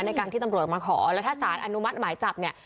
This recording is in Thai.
ในการที่ตำรวจมาขอแล้วถ้าสารอนุมัติหมายจับเนี่ย